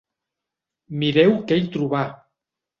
Mireu què hi trobà!